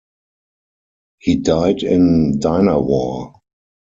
He died in Dinawar.